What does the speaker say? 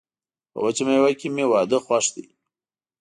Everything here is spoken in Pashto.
په وچه میوه کي مي واده خوښ ده.